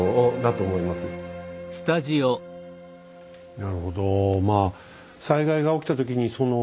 なるほど。